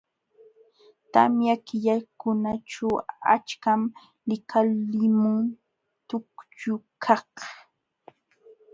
Tamya killakunaćhu achkam likalimun tukllukaq..